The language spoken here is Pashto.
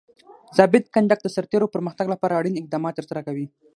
ضابط کنډک د سرتیرو پرمختګ لپاره اړین اقدامات ترسره کوي.